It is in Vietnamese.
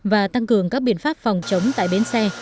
và tăng cường các biện pháp phòng chống tại bến xe